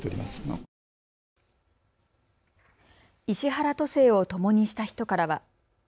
石原都政をともにした人からは。